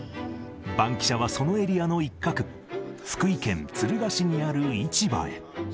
バンキシャはそのエリアの一角、福井県敦賀市にある市場へ。